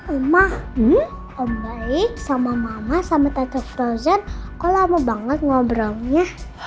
emak om baik sama mama sama tetep frozen kok lama banget ngobrolnya